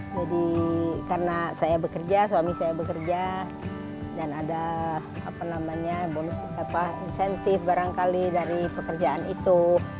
jadi karena saya bekerja suami saya bekerja dan ada apa namanya bonus apa insentif barangkali dari pekerjaan itu